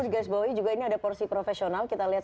di guys bawahi juga ini ada porsi profesional kita lihat